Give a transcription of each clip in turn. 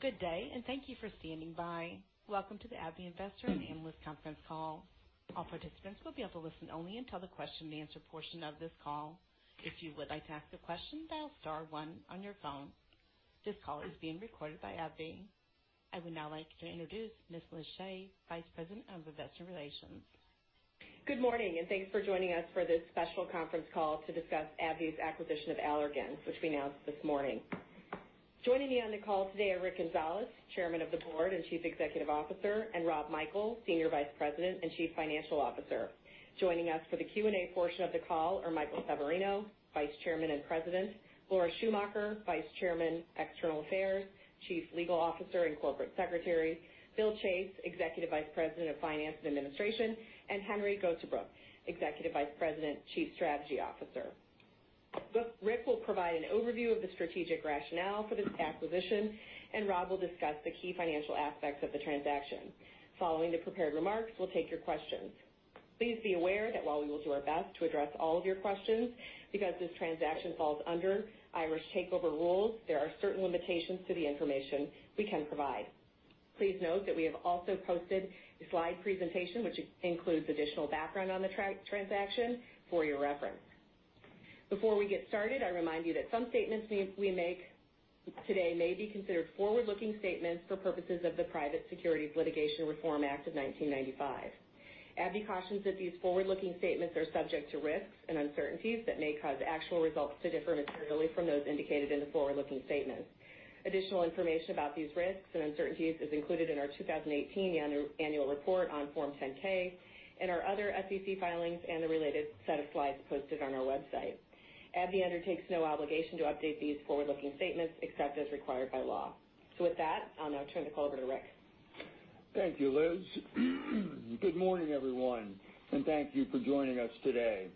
Good day. Thank you for standing by. Welcome to the AbbVie Investor and Analyst Conference Call. All participants will be able to listen only until the question and answer portion of this call. If you would like to ask a question, dial star one on your phone. This call is being recorded by AbbVie. I would now like to introduce Ms. Elizabeth Shea, Vice President of Investor Relations. Good morning. Thanks for joining us for this special conference call to discuss AbbVie's acquisition of Allergan, which we announced this morning. Joining me on the call today are Rick Gonzalez, Chairman of the Board and Chief Executive Officer, and Rob Michael, Senior Vice President and Chief Financial Officer. Joining us for the Q&A portion of the call are Michael Severino, Vice Chairman and President, Laura Schumacher, Vice Chairman, External Affairs, Chief Legal Officer, and Corporate Secretary, Phil Chase, Executive Vice President of Finance and Administration, and Henry Gosebruch, Executive Vice President, Chief Strategy Officer. Rick will provide an overview of the strategic rationale for this acquisition, and Rob will discuss the key financial aspects of the transaction. Following the prepared remarks, we will take your questions. Please be aware that while we will do our best to address all of your questions, because this transaction falls under Irish Takeover Rules, there are certain limitations to the information we can provide. Please note that we have also posted a slide presentation, which includes additional background on the transaction for your reference. Before we get started, I remind you that some statements we make today may be considered forward-looking statements for purposes of the Private Securities Litigation Reform Act of 1995. AbbVie cautions that these forward-looking statements are subject to risks and uncertainties that may cause actual results to differ materially from those indicated in the forward-looking statements. Additional information about these risks and uncertainties is included in our 2018 annual report on Form 10-K and our other SEC filings and the related set of slides posted on our website. AbbVie undertakes no obligation to update these forward-looking statements except as required by law. With that, I will now turn the call over to Rick. Thank you, Liz. Good morning, everyone, and thank you for joining us today.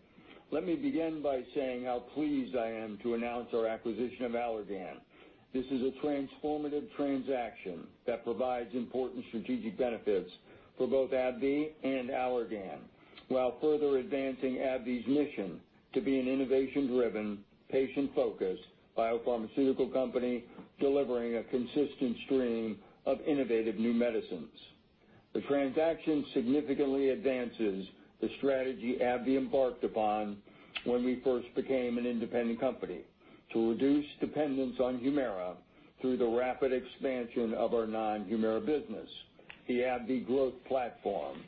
Let me begin by saying how pleased I am to announce our acquisition of Allergan. This is a transformative transaction that provides important strategic benefits for both AbbVie and Allergan, while further advancing AbbVie's mission to be an innovation-driven, patient-focused biopharmaceutical company delivering a consistent stream of innovative new medicines. The transaction significantly advances the strategy AbbVie embarked upon when we first became an independent company to reduce dependence on HUMIRA through the rapid expansion of our non-HUMIRA business, the AbbVie Growth Platform.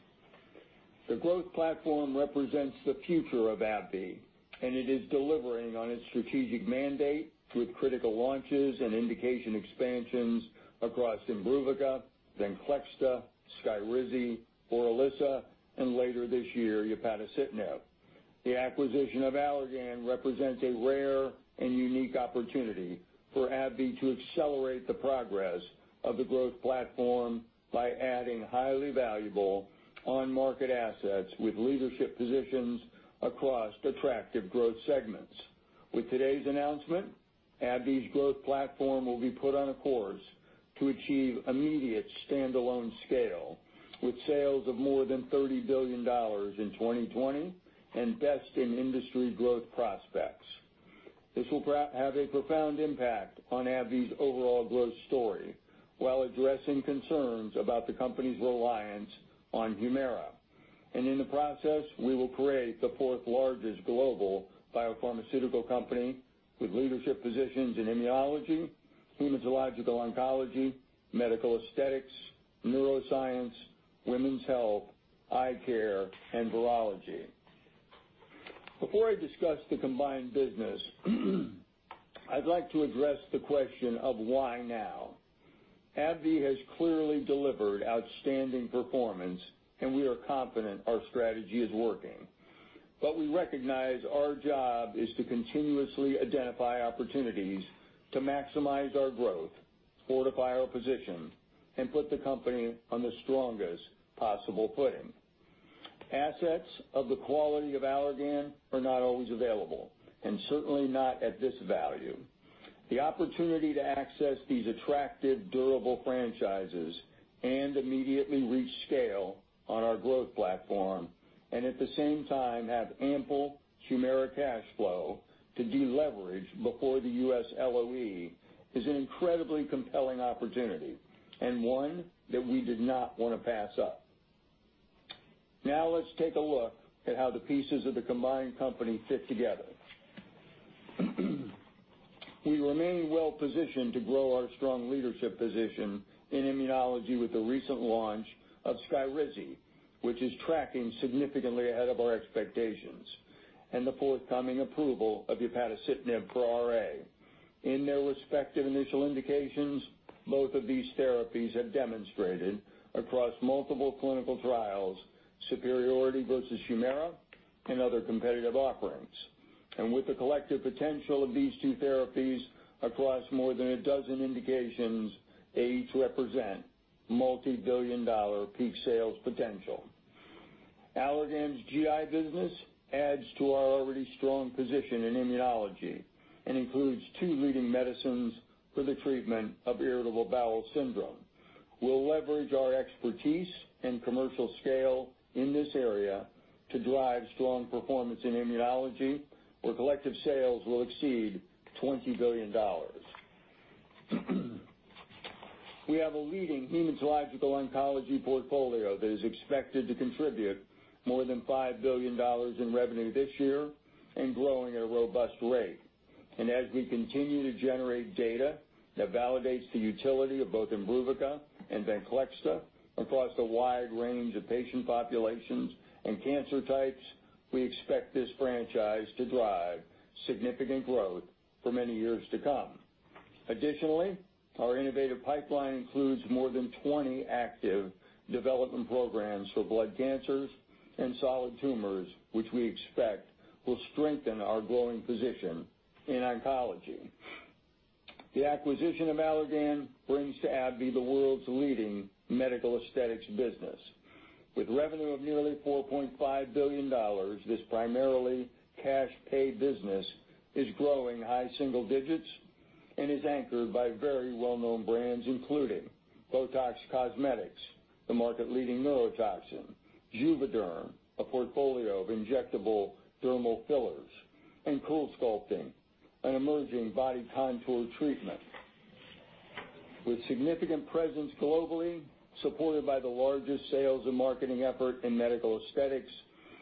The Growth Platform represents the future of AbbVie, and it is delivering on its strategic mandate with critical launches and indication expansions across IMBRUVICA, VENCLEXTA, SKYRIZI, ORILISSA, and later this year, upadacitinib. The acquisition of Allergan represents a rare and unique opportunity for AbbVie to accelerate the progress of the Growth Platform by adding highly valuable on-market assets with leadership positions across attractive growth segments. With today's announcement, AbbVie's Growth Platform will be put on a course to achieve immediate standalone scale with sales of more than $30 billion in 2020 and best-in-industry growth prospects. This will have a profound impact on AbbVie's overall growth story while addressing concerns about the company's reliance on HUMIRA. In the process, we will create the fourth largest global biopharmaceutical company with leadership positions in immunology, hematological oncology, medical aesthetics, neuroscience, women's health, eye care, and virology. Before I discuss the combined business, I'd like to address the question of why now. AbbVie has clearly delivered outstanding performance, and we are confident our strategy is working. We recognize our job is to continuously identify opportunities to maximize our growth, fortify our position, and put the company on the strongest possible footing. Assets of the quality of Allergan are not always available, and certainly not at this value. The opportunity to access these attractive, durable franchises and immediately reach scale on our Growth Platform, and at the same time have ample HUMIRA cash flow to deleverage before the U.S. LOE is an incredibly compelling opportunity, and one that we did not want to pass up. Now let's take a look at how the pieces of the combined company fit together. We remain well-positioned to grow our strong leadership position in immunology with the recent launch of SKYRIZI, which is tracking significantly ahead of our expectations, and the forthcoming approval of upadacitinib pro RA. In their respective initial indications, both of these therapies have demonstrated across multiple clinical trials superiority versus HUMIRA and other competitive offerings. With the collective potential of these two therapies across more than a dozen indications, they each represent multi-billion-dollar peak sales potential. Allergan's GI business adds to our already strong position in immunology and includes two leading medicines for the treatment of irritable bowel syndrome. We'll leverage our expertise and commercial scale in this area to drive strong performance in immunology, where collective sales will exceed $20 billion. We have a leading hematological oncology portfolio that is expected to contribute more than $5 billion in revenue this year and growing at a robust rate. As we continue to generate data that validates the utility of both IMBRUVICA and VENCLEXTA across a wide range of patient populations and cancer types, we expect this franchise to drive significant growth for many years to come. Additionally, our innovative pipeline includes more than 20 active development programs for blood cancers and solid tumors, which we expect will strengthen our growing position in oncology. The acquisition of Allergan brings to AbbVie the world's leading medical aesthetics business. With revenue of nearly $4.5 billion, this primarily cash-pay business is growing high single digits and is anchored by very well-known brands, including BOTOX Cosmetic, the market-leading neurotoxin, JUVÉDERM, a portfolio of injectable dermal fillers, and CoolSculpting, an emerging body contour treatment. With significant presence globally, supported by the largest sales and marketing effort in medical aesthetics,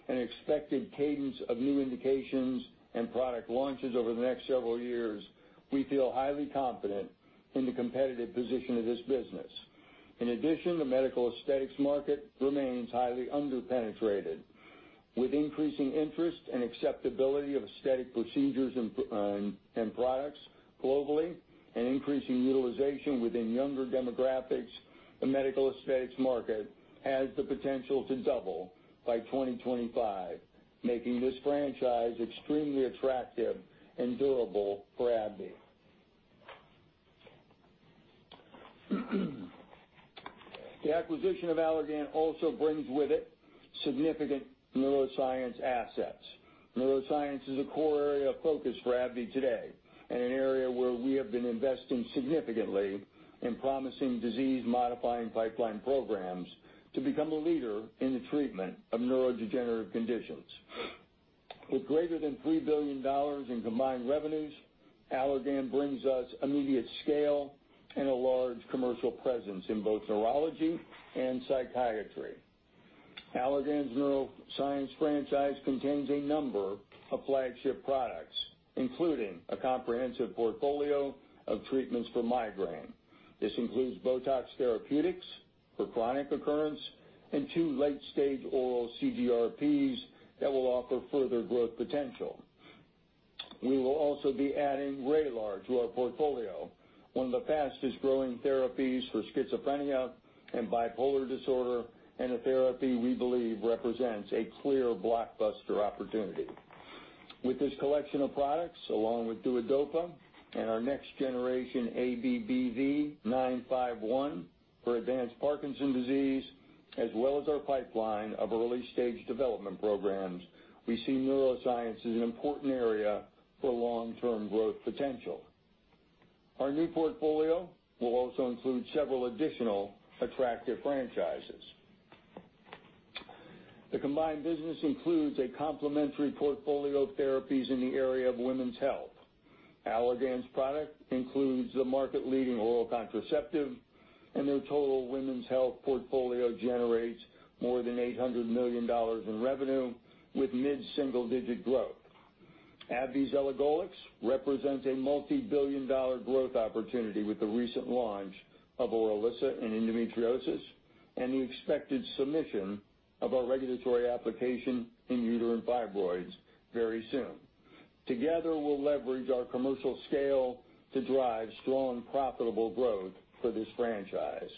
expected cadence of new indications and product launches over the next several years, we feel highly confident in the competitive position of this business. In addition, the medical aesthetics market remains highly under-penetrated. With increasing interest and acceptability of aesthetic procedures and products globally, increasing utilization within younger demographics, the medical aesthetics market has the potential to double by 2025, making this franchise extremely attractive and durable for AbbVie. The acquisition of Allergan also brings with it significant neuroscience assets. Neuroscience is a core area of focus for AbbVie today, an area where we have been investing significantly in promising disease-modifying pipeline programs to become a leader in the treatment of neurodegenerative conditions. With greater than $3 billion in combined revenues, Allergan brings us immediate scale and a large commercial presence in both neurology and psychiatry. Allergan's neuroscience franchise contains a number of flagship products, including a comprehensive portfolio of treatments for migraine. This includes BOTOX therapeutics for chronic occurrence and two late-stage oral CGRPs that will offer further growth potential. We will also be adding VRAYLAR to our portfolio, one of the fastest-growing therapies for schizophrenia and bipolar disorder, a therapy we believe represents a clear blockbuster opportunity. With this collection of products, along with DUODOPA and our next-generation ABBV-951 for advanced Parkinson's disease, our pipeline of early-stage development programs, we see neuroscience as an important area for long-term growth potential. Our new portfolio will also include several additional attractive franchises. The combined business includes a complementary portfolio of therapies in the area of women's health. Allergan's product includes the market-leading oral contraceptive, their total women's health portfolio generates more than $800 million in revenue, with mid-single-digit growth. AbbVie's elagolix represents a multi-billion-dollar growth opportunity with the recent launch of ORILISSA in endometriosis and the expected submission of our regulatory application in uterine fibroids very soon. Together, we'll leverage our commercial scale to drive strong, profitable growth for this franchise.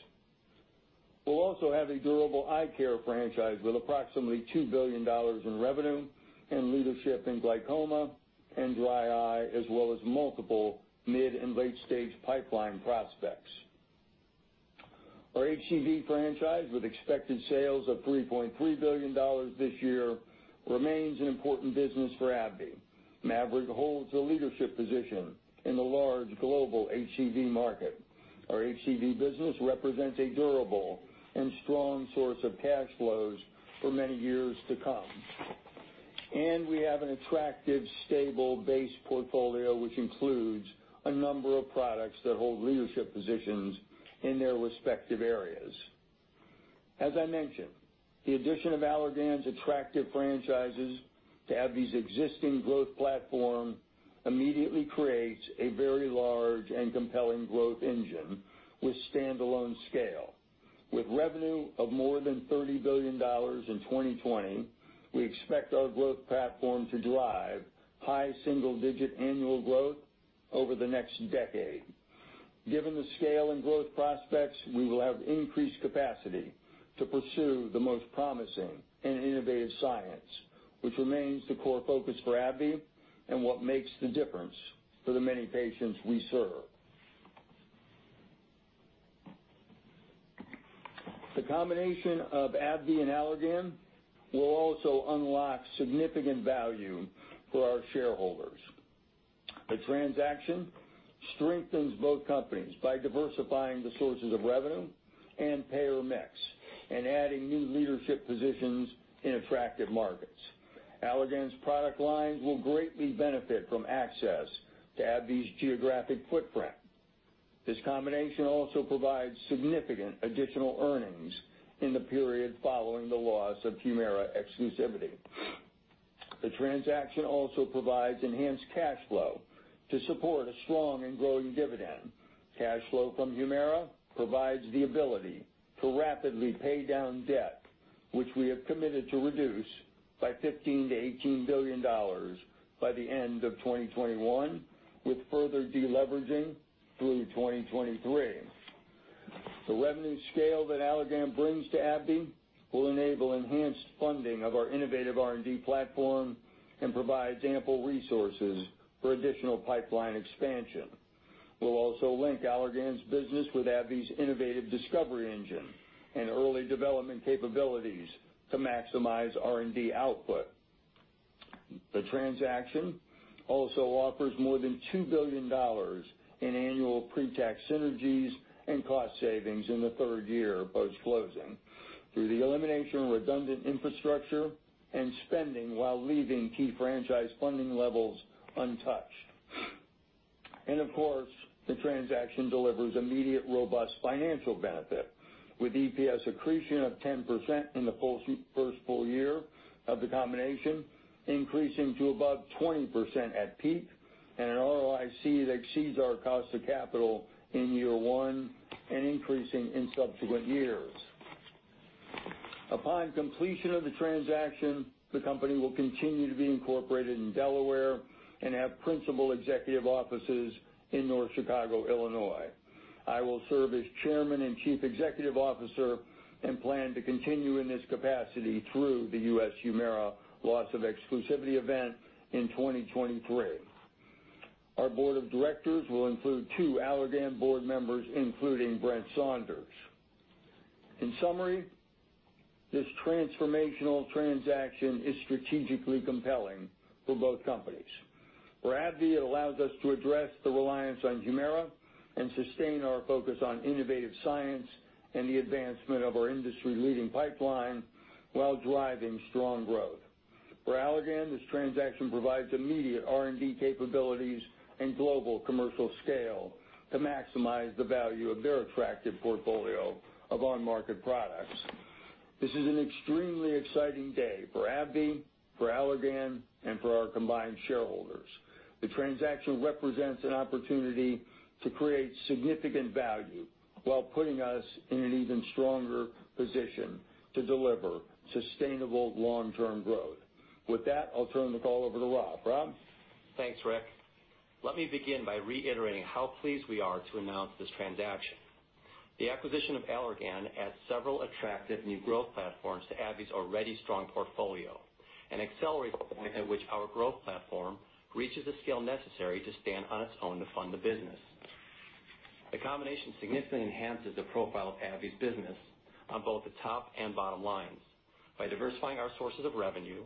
We'll also have a durable eye care franchise with approximately $2 billion in revenue and leadership in glaucoma and dry eye, as well as multiple mid- and late-stage pipeline prospects. Our HCV franchise, with expected sales of $3.3 billion this year, remains an important business for AbbVie. MAVYRET holds a leadership position in the large global HCV market. Our HCV business represents a durable and strong source of cash flows for many years to come. We have an attractive, stable base portfolio, which includes a number of products that hold leadership positions in their respective areas. As I mentioned, the addition of Allergan's attractive franchises to AbbVie's existing growth platform immediately creates a very large and compelling growth engine with standalone scale. With revenue of more than $30 billion in 2020, we expect our growth platform to drive high single-digit annual growth over the next decade. Given the scale and growth prospects, we will have increased capacity to pursue the most promising and innovative science, which remains the core focus for AbbVie and what makes the difference for the many patients we serve. The combination of AbbVie and Allergan will also unlock significant value for our shareholders. The transaction strengthens both companies by diversifying the sources of revenue and payer mix and adding new leadership positions in attractive markets. Allergan's product lines will greatly benefit from access to AbbVie's geographic footprint. This combination also provides significant additional earnings in the period following the loss of HUMIRA exclusivity. The transaction also provides enhanced cash flow to support a strong and growing dividend. Cash flow from HUMIRA provides the ability to rapidly pay down debt, which we have committed to reduce by $15 billion-$18 billion by the end of 2021, with further de-leveraging through 2023. The revenue scale that Allergan brings to AbbVie will enable enhanced funding of our innovative R&D platform and provides ample resources for additional pipeline expansion. We'll also link Allergan's business with AbbVie's innovative discovery engine and early development capabilities to maximize R&D output. The transaction also offers more than $2 billion in annual pre-tax synergies and cost savings in the third year post-closing through the elimination of redundant infrastructure and spending while leaving key franchise funding levels untouched. Of course, the transaction delivers immediate, robust financial benefit with EPS accretion of 10% in the first full year of the combination, increasing to above 20% at peak, and an ROIC that exceeds our cost of capital in year one and increasing in subsequent years. Upon completion of the transaction, the company will continue to be incorporated in Delaware and have principal executive offices in North Chicago, Illinois. I will serve as chairman and chief executive officer and plan to continue in this capacity through the U.S. HUMIRA loss of exclusivity event in 2023. Our board of directors will include two Allergan board members, including Brent Saunders. In summary, this transformational transaction is strategically compelling for both companies. For AbbVie, it allows us to address the reliance on HUMIRA and sustain our focus on innovative science and the advancement of our industry-leading pipeline while driving strong growth. For Allergan, this transaction provides immediate R&D capabilities and global commercial scale to maximize the value of their attractive portfolio of on-market products. This is an extremely exciting day for AbbVie, for Allergan, and for our combined shareholders. The transaction represents an opportunity to create significant value while putting us in an even stronger position to deliver sustainable long-term growth. With that, I'll turn the call over to Rob. Rob? Thanks, Rick. Let me begin by reiterating how pleased we are to announce this transaction. The acquisition of Allergan adds several attractive new growth platforms to AbbVie's already strong portfolio and accelerates the point at which our growth platform reaches the scale necessary to stand on its own to fund the business. The combination significantly enhances the profile of AbbVie's business on both the top and bottom lines by diversifying our sources of revenue,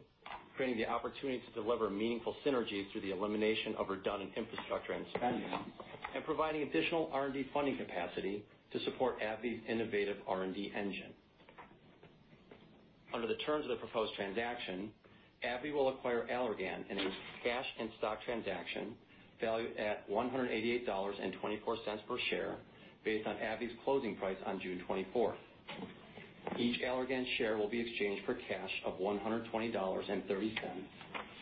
creating the opportunity to deliver meaningful synergies through the elimination of redundant infrastructure and spending, and providing additional R&D funding capacity to support AbbVie's innovative R&D engine. Under the terms of the proposed transaction, AbbVie will acquire Allergan in a cash and stock transaction valued at $188.24 per share based on AbbVie's closing price on June 24th. Each Allergan share will be exchanged for cash of $120.30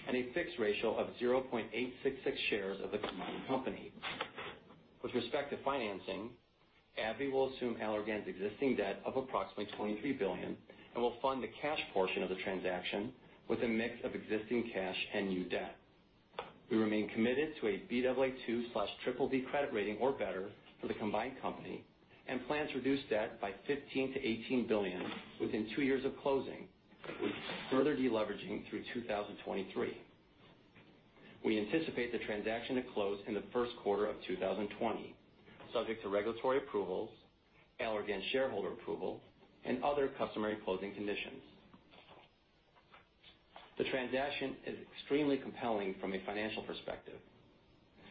and a fixed ratio of 0.866 shares of the combined company. With respect to financing, AbbVie will assume Allergan's existing debt of approximately $23 billion and will fund the cash portion of the transaction with a mix of existing cash and new debt. We remain committed to a Baa2/BBB credit rating or better for the combined company and plan to reduce debt by $15 billion-$18 billion within two years of closing, with further de-leveraging through 2023. We anticipate the transaction to close in the first quarter of 2020, subject to regulatory approvals, Allergan shareholder approval, and other customary closing conditions. The transaction is extremely compelling from a financial perspective.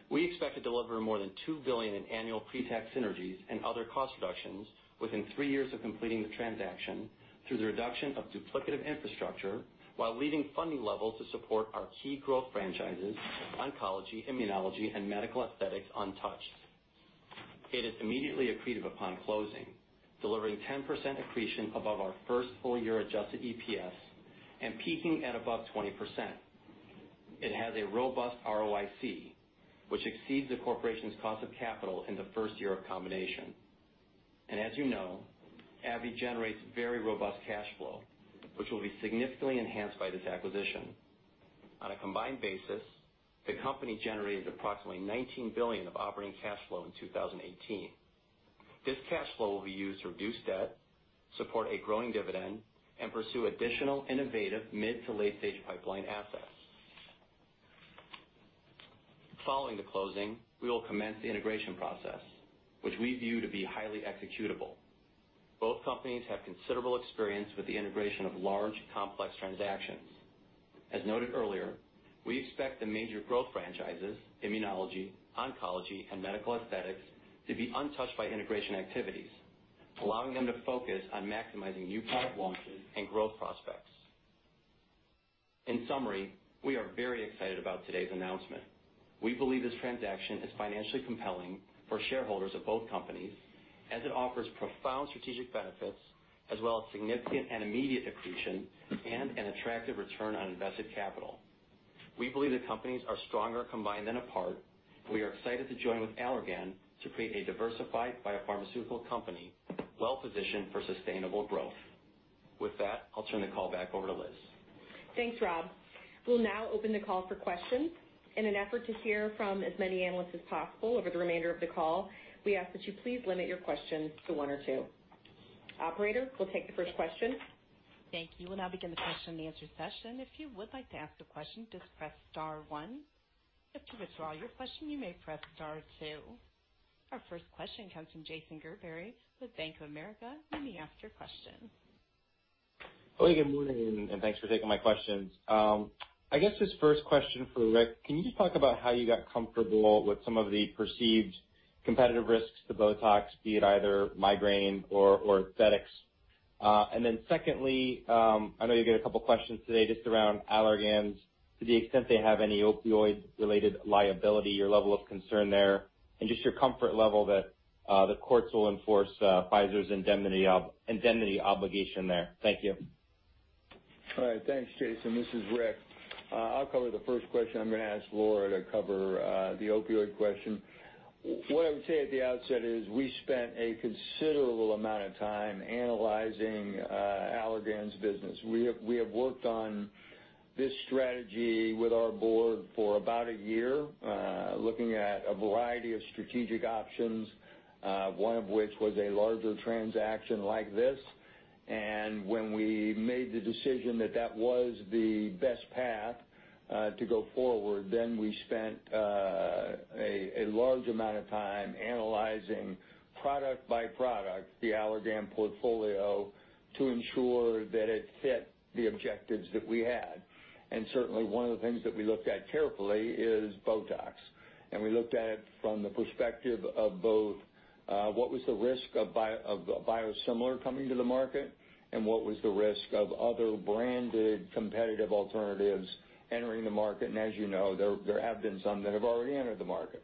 We expect to deliver more than $2 billion in annual pre-tax synergies and other cost reductions within three years of completing the transaction through the reduction of duplicative infrastructure while leaving funding levels to support our key growth franchises, oncology, immunology, and medical aesthetics untouched. It is immediately accretive upon closing, delivering 10% accretion above our first full year adjusted EPS and peaking at above 20%. It has a robust ROIC, which exceeds the corporation's cost of capital in the first year of combination. As you know, AbbVie generates very robust cash flow, which will be significantly enhanced by this acquisition. On a combined basis, the company generated approximately $19 billion of operating cash flow in 2018. This cash flow will be used to reduce debt, support a growing dividend, and pursue additional innovative mid to late-stage pipeline assets. Following the closing, we will commence the integration process, which we view to be highly executable. Both companies have considerable experience with the integration of large, complex transactions. As noted earlier, we expect the major growth franchises, immunology, oncology, and medical aesthetics, to be untouched by integration activities, allowing them to focus on maximizing new product launches and growth prospects. In summary, we are very excited about today's announcement. We believe this transaction is financially compelling for shareholders of both companies, as it offers profound strategic benefits, as well as significant and immediate accretion and an attractive return on invested capital. We believe the companies are stronger combined than apart. We are excited to join with Allergan to create a diversified biopharmaceutical company well-positioned for sustainable growth. With that, I'll turn the call back over to Liz. Thanks, Rob. We'll now open the call for questions. In an effort to hear from as many analysts as possible over the remainder of the call, we ask that you please limit your questions to one or two. Operator, we'll take the first question. Thank you. We'll now begin the question and answer session. If you would like to ask a question, just press star one. If you withdraw your question, you may press star two. Our first question comes from Jason Gerberry with Bank of America. You may ask your question. Good morning, thanks for taking my questions. I guess this first question for Rick, can you just talk about how you got comfortable with some of the perceived competitive risks to BOTOX, be it either migraine or aesthetics? Secondly, I know you'll get a couple of questions today just around Allergan's, to the extent they have any opioid-related liability, your level of concern there, and just your comfort level that the courts will enforce Pfizer's indemnity obligation there. Thank you. Thanks, Jason. This is Rick. I'll cover the first question. I'm going to ask Laura to cover the opioid question. We spent a considerable amount of time analyzing Allergan's business. We have worked on this strategy with our board for about a year, looking at a variety of strategic options, one of which was a larger transaction like this. When we made the decision that that was the best path to go forward, we spent a large amount of time analyzing, product by product, the Allergan portfolio to ensure that it fit the objectives that we had. Certainly, one of the things that we looked at carefully is BOTOX. We looked at it from the perspective of both what was the risk of a biosimilar coming to the market and what was the risk of other branded competitive alternatives entering the market. As you know, there have been some that have already entered the market.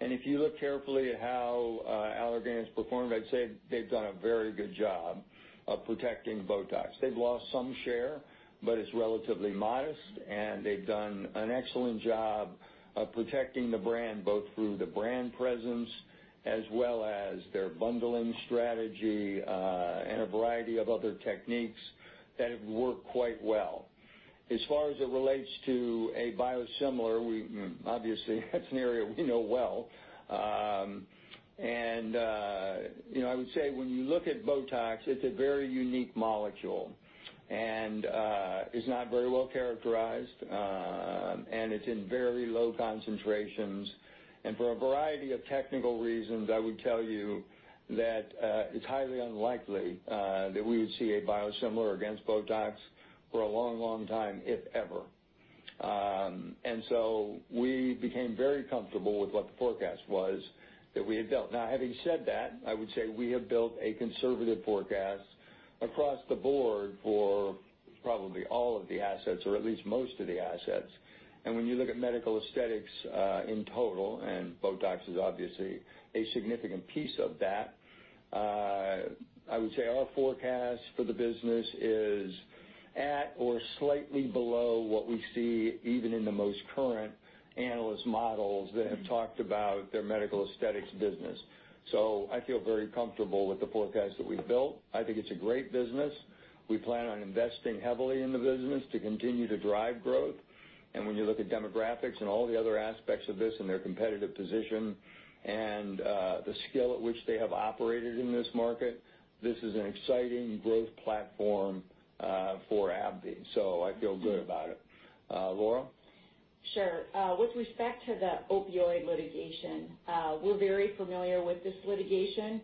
If you look carefully at how Allergan has performed, I'd say they've done a very good job of protecting BOTOX. They've lost some share, but it's relatively modest, and they've done an excellent job of protecting the brand, both through the brand presence as well as their bundling strategy, and a variety of other techniques that have worked quite well. As far as it relates to a biosimilar, obviously, that's an area we know well. When you look at BOTOX, it's a very unique molecule, is not very well-characterized, and it's in very low concentrations. For a variety of technical reasons, I would tell you that it's highly unlikely that we would see a biosimilar against BOTOX for a long time, if ever. We became very comfortable with what the forecast was that we had built. Now, having said that, we have built a conservative forecast across the board for probably all of the assets, or at least most of the assets. When you look at medical aesthetics in total, and BOTOX is obviously a significant piece of that, our forecast for the business is at or slightly below what we see even in the most current analyst models that have talked about their medical aesthetics business. I feel very comfortable with the forecast that we've built. I think it's a great business. We plan on investing heavily in the business to continue to drive growth. When you look at demographics and all the other aspects of this and their competitive position and the skill at which they have operated in this market, this is an exciting growth platform for AbbVie. I feel good about it. Laura? Sure. With respect to the opioid litigation, we're very familiar with this litigation,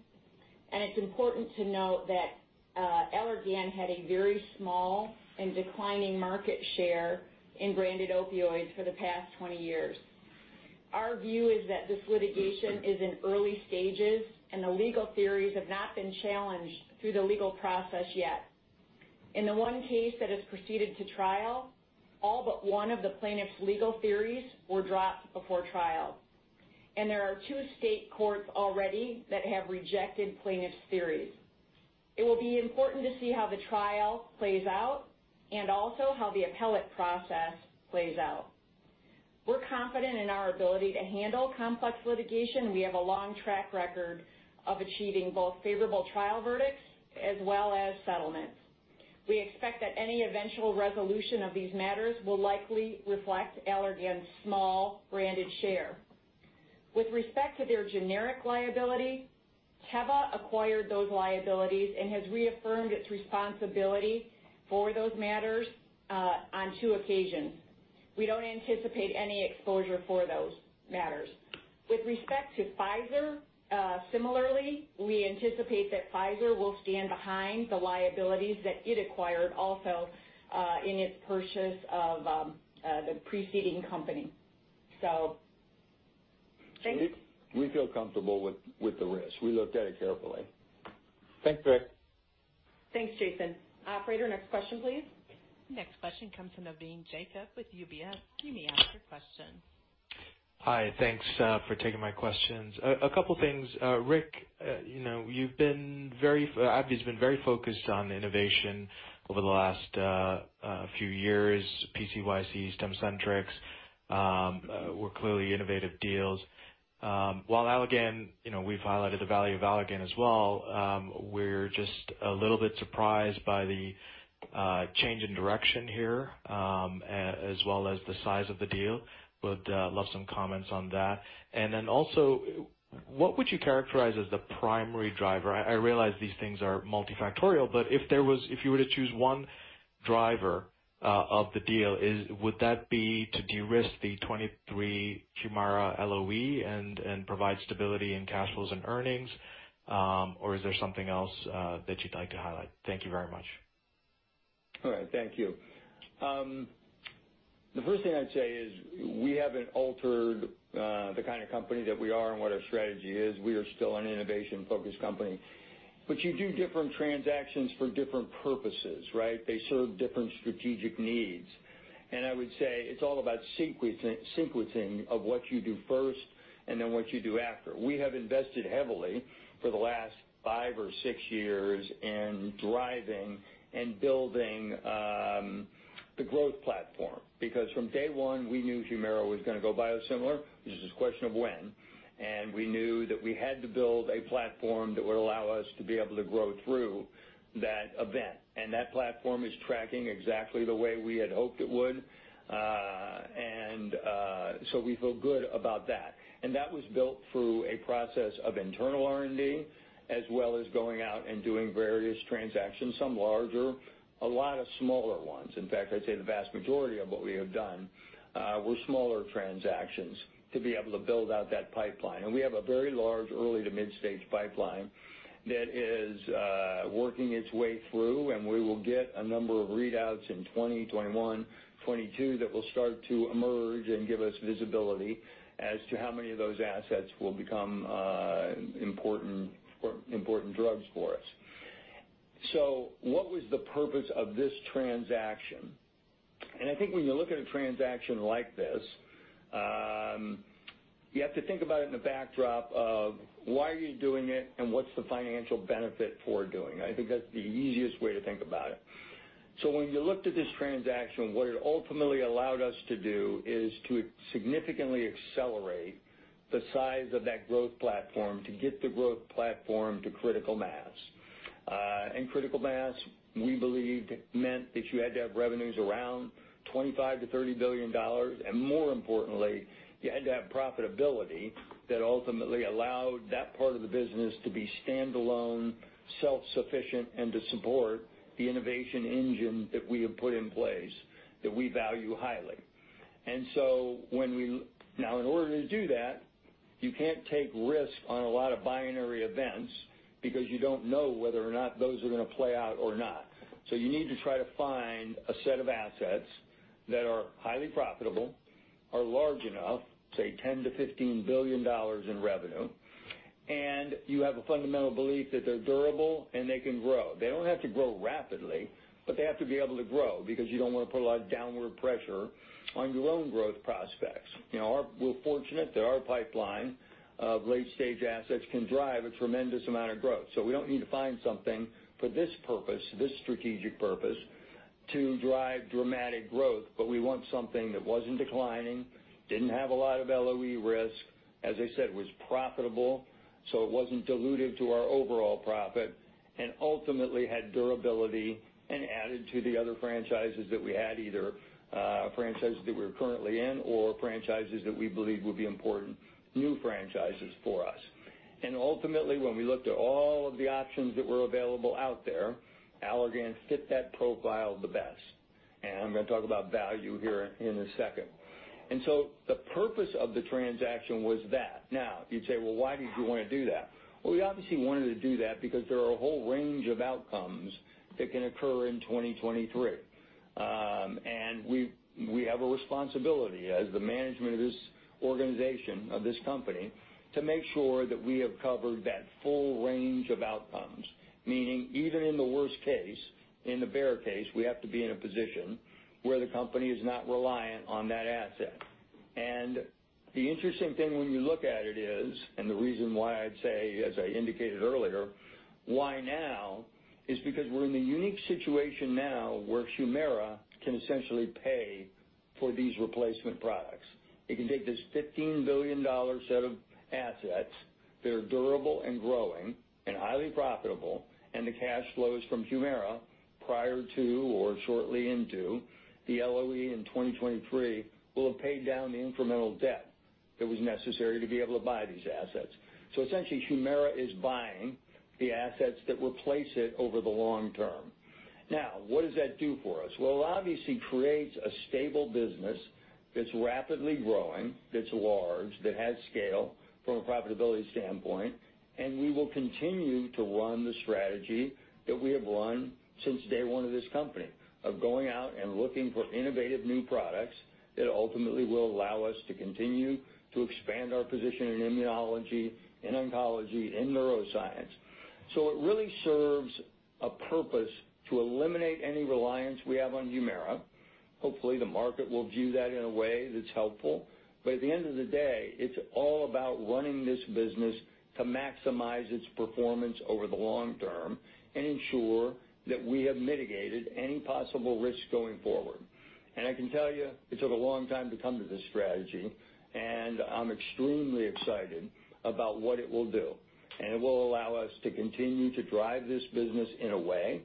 and it's important to note that Allergan had a very small and declining market share in branded opioids for the past 20 years. Our view is that this litigation is in early stages, and the legal theories have not been challenged through the legal process yet. In the one case that has proceeded to trial, all but one of the plaintiffs' legal theories were dropped before trial, and there are two state courts already that have rejected plaintiffs' theories. It will be important to see how the trial plays out and also how the appellate process plays out. We're confident in our ability to handle complex litigation. We have a long track record of achieving both favorable trial verdicts as well as settlements. We expect that any eventual resolution of these matters will likely reflect Allergan's small branded share. With respect to their generic liability, Teva acquired those liabilities and has reaffirmed its responsibility for those matters on two occasions. We don't anticipate any exposure for those matters. With respect to Pfizer, similarly, we anticipate that Pfizer will stand behind the liabilities that it acquired also in its purchase of the preceding company. Thank you. We feel comfortable with the risk. We looked at it carefully. Thanks, Rick. Thanks, Jason. Operator, next question, please. Next question comes from Navin Jacob with UBS. You may ask your question. Hi. Thanks for taking my questions. A couple things. Rick, AbbVie's been very focused on innovation over the last few years, PCYC, Stemcentrx, were clearly innovative deals. While we've highlighted the value of Allergan as well, we're just a little bit surprised by the change in direction here, as well as the size of the deal. Would love some comments on that. Then also, what would you characterize as the primary driver? I realize these things are multifactorial, but if you were to choose one driver of the deal, would that be to de-risk the 2023 HUMIRA LOE and provide stability in cash flows and earnings? Is there something else that you'd like to highlight? Thank you very much. All right. Thank you. The first thing I'd say is we haven't altered the kind of company that we are and what our strategy is. We are still an innovation-focused company. You do different transactions for different purposes, right? They serve different strategic needs. I would say it's all about sequencing of what you do first and then what you do after. We have invested heavily for the last five or six years in driving and building the growth platform, because from day one, we knew HUMIRA was going to go biosimilar. It was just a question of when. We knew that we had to build a platform that would allow us to be able to grow through that event. That platform is tracking exactly the way we had hoped it would. So we feel good about that. That was built through a process of internal R&D, as well as going out and doing various transactions, some larger, a lot of smaller ones. In fact, I'd say the vast majority of what we have done were smaller transactions to be able to build out that pipeline. We have a very large early to mid-stage pipeline that is working its way through, and we will get a number of readouts in 2020, 2021, 2022 that will start to emerge and give us visibility as to how many of those assets will become important drugs for us. What was the purpose of this transaction? I think when you look at a transaction like this, you have to think about it in the backdrop of why are you doing it and what's the financial benefit for doing it? I think that's the easiest way to think about it. When you looked at this transaction, what it ultimately allowed us to do is to significantly accelerate the size of that growth platform to get the growth platform to critical mass. Critical mass, we believed, meant that you had to have revenues around $25 billion-$30 billion, and more importantly, you had to have profitability that ultimately allowed that part of the business to be standalone, self-sufficient, and to support the innovation engine that we have put in place, that we value highly. In order to do that, you can't take risks on a lot of binary events because you don't know whether or not those are going to play out or not. You need to try to find a set of assets that are highly profitable, are large enough, say, $10 billion-$15 billion in revenue, and you have a fundamental belief that they're durable and they can grow. They don't have to grow rapidly, but they have to be able to grow because you don't want to put a lot of downward pressure on your own growth prospects. We're fortunate that our pipeline of late-stage assets can drive a tremendous amount of growth. We don't need to find something for this purpose, this strategic purpose, to drive dramatic growth. We want something that wasn't declining, didn't have a lot of LOE risk, as I said, was profitable, so it wasn't dilutive to our overall profit, and ultimately had durability and added to the other franchises that we had, either franchises that we're currently in or franchises that we believe would be important new franchises for us. Ultimately, when we looked at all of the options that were available out there, Allergan fit that profile the best. I'm going to talk about value here in a second. The purpose of the transaction was that. You'd say, "Why did you want to do that?" We obviously wanted to do that because there are a whole range of outcomes that can occur in 2023. We have a responsibility as the management of this organization, of this company, to make sure that we have covered that full range of outcomes, meaning even in the worst case, in the bear case, we have to be in a position where the company is not reliant on that asset. The interesting thing when you look at it is, and the reason why I'd say, as I indicated earlier, why now, is because we're in the unique situation now where HUMIRA can essentially pay for these replacement products. It can take this $15 billion set of assets. They're durable and growing, and highly profitable, and the cash flows from HUMIRA prior to or shortly into the LOE in 2023 will have paid down the incremental debt that was necessary to be able to buy these assets. Essentially, HUMIRA is buying the assets that replace it over the long term. What does that do for us? Well, it obviously creates a stable business that's rapidly growing, that's large, that has scale from a profitability standpoint, and we will continue to run the strategy that we have run since day one of this company of going out and looking for innovative new products that ultimately will allow us to continue to expand our position in immunology, in oncology, in neuroscience. It really serves a purpose to eliminate any reliance we have on HUMIRA. Hopefully, the market will view that in a way that's helpful. At the end of the day, it's all about running this business to maximize its performance over the long term and ensure that we have mitigated any possible risk going forward. I can tell you, it took a long time to come to this strategy, and I'm extremely excited about what it will do. It will allow us to continue to drive this business in a way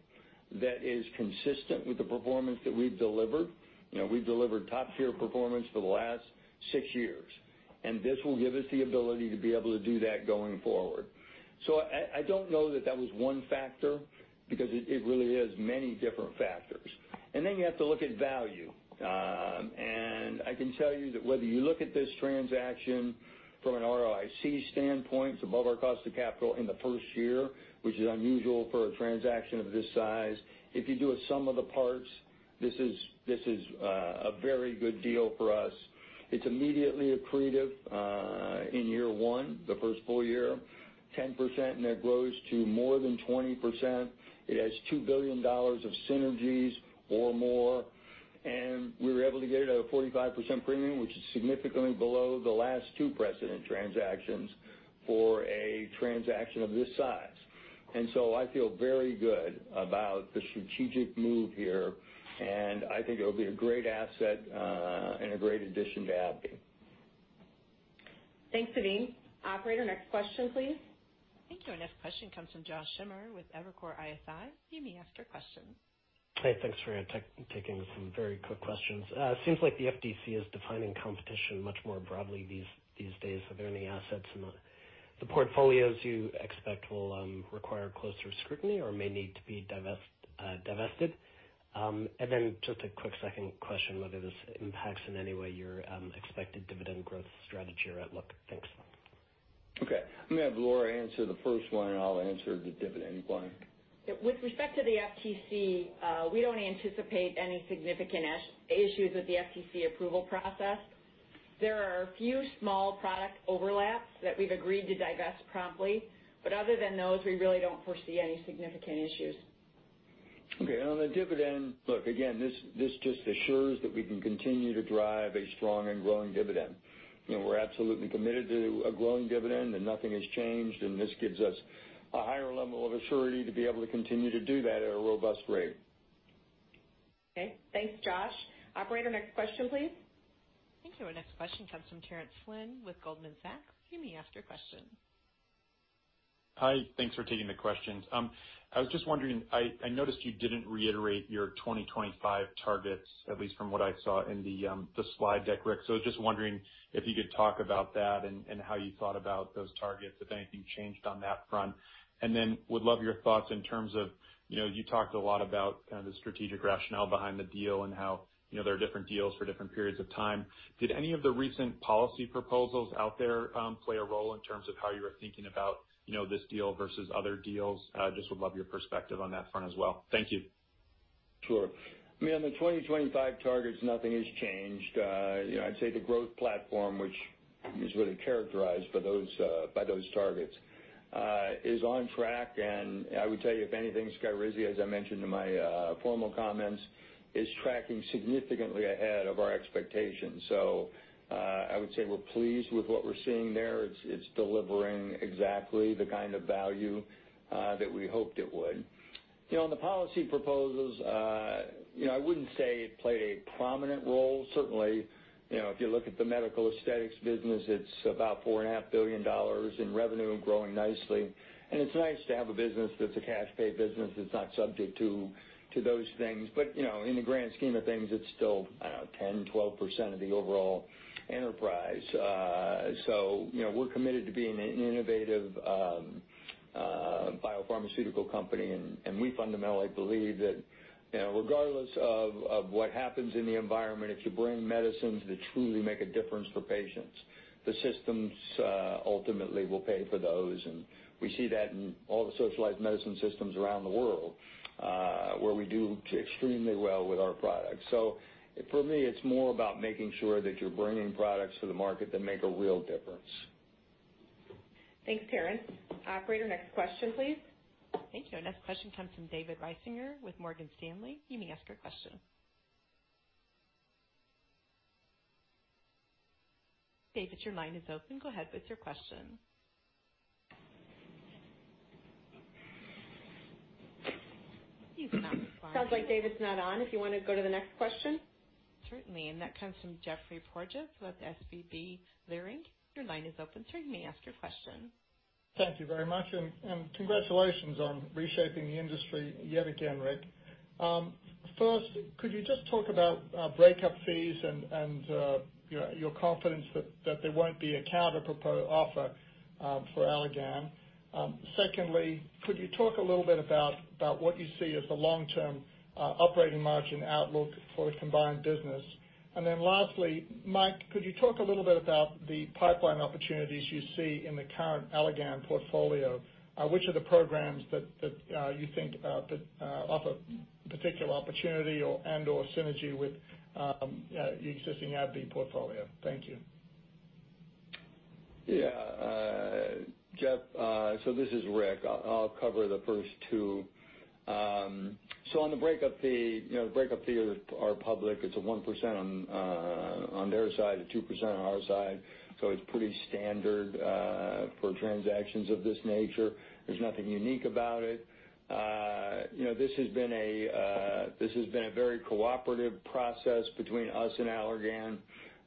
that is consistent with the performance that we've delivered. We've delivered top-tier performance for the last six years, and this will give us the ability to be able to do that going forward. I don't know that that was one factor because it really is many different factors. Then you have to look at value. I can tell you that whether you look at this transaction from an ROIC standpoint, it's above our cost of capital in the first year, which is unusual for a transaction of this size. If you do a sum of the parts, this is a very good deal for us. It's immediately accretive in year one, the first full year, 10%, and that grows to more than 20%. It has $2 billion of synergies or more, and we were able to get it at a 45% premium, which is significantly below the last two precedent transactions for a transaction of this size. I feel very good about the strategic move here, and I think it'll be a great asset, and a great addition to AbbVie. Thanks, Navin. Operator, next question, please. Thank you. Our next question comes from Josh Schimmer with Evercore ISI. You may ask your question. Hey, thanks for taking some very quick questions. Seems like the FTC is defining competition much more broadly these days. Are there any assets in the portfolios you expect will require closer scrutiny or may need to be divested? Just a quick second question, whether this impacts in any way your expected dividend growth strategy or outlook. Thanks. Okay. I'm going to have Laura answer the first one, and I'll answer the dividend one. With respect to the FTC, we don't anticipate any significant issues with the FTC approval process. There are a few small product overlaps that we've agreed to divest promptly, but other than those, we really don't foresee any significant issues. Okay. On the dividend, look, again, this just assures that we can continue to drive a strong and growing dividend. We're absolutely committed to a growing dividend, and nothing has changed, and this gives us a higher level of surety to be able to continue to do that at a robust rate. Okay. Thanks, Josh. Operator, next question, please. Thank you. Our next question comes from Terence Flynn with Goldman Sachs. You may ask your question. Hi. Thanks for taking the questions. I was just wondering, I noticed you didn't reiterate your 2025 targets, at least from what I saw in the slide deck, Rick. I was just wondering if you could talk about that and how you thought about those targets, if anything changed on that front. Would love your thoughts in terms of, you talked a lot about kind of the strategic rationale behind the deal and how there are different deals for different periods of time. Did any of the recent policy proposals out there play a role in terms of how you were thinking about this deal versus other deals? Just would love your perspective on that front as well. Thank you. Sure. On the 2025 targets, nothing has changed. I'd say the growth platform, which is really characterized by those targets, is on track, and I would tell you, if anything, SKYRIZI, as I mentioned in my formal comments, is tracking significantly ahead of our expectations. I would say we're pleased with what we're seeing there. It's delivering exactly the kind of value that we hoped it would. On the policy proposals, I wouldn't say it played a prominent role. Certainly, if you look at the medical aesthetics business, it's about $4.5 billion in revenue and growing nicely. It's nice to have a business that's a cash pay business that's not subject to those things. In the grand scheme of things, it's still, I don't know, 10%, 12% of the overall enterprise. We're committed to being an innovative biopharmaceutical company, and we fundamentally believe that regardless of what happens in the environment, if you bring medicines that truly make a difference for patients, the systems ultimately will pay for those. We see that in all the socialized medicine systems around the world, where we do extremely well with our products. For me, it's more about making sure that you're bringing products to the market that make a real difference. Thanks, Terence. Operator, next question, please. Thank you. Our next question comes from David Risinger with Morgan Stanley. You may ask your question. David, your line is open. Go ahead with your question. He's not on the line. Sounds like David's not on, if you want to go to the next question. Certainly. That comes from Geoffrey Porges with SVB Leerink. Your line is open, sir. You may ask your question. Thank you very much, congratulations on reshaping the industry yet again, Rick. First, could you just talk about breakup fees and your confidence that there won't be a counteroffer for Allergan? Secondly, could you talk a little bit about what you see as the long-term operating margin outlook for a combined business? Then lastly, Mike, could you talk a little bit about the pipeline opportunities you see in the current Allergan portfolio? Which of the programs that you think offer particular opportunity and/or synergy with the existing AbbVie portfolio? Thank you. Jeff. This is Rick. I'll cover the first two. On the breakup fee, the breakup fee are public. It's a 1% on their side, a 2% on our side. It's pretty standard for transactions of this nature. There's nothing unique about it. This has been a very cooperative process between us and Allergan.